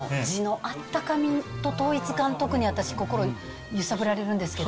メニューの字のあったかみと統一感、特に私、心揺さぶられんですけど。